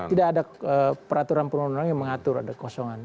tidak ada peraturan perundang undang yang mengatur ada kosongan